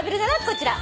こちら。